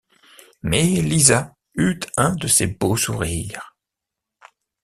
Mais Lisa eut un de ses beaux sourires.